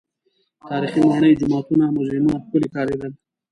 تاریخي ماڼۍ، جوماتونه، موزیمونه ښکلي ښکارېدل.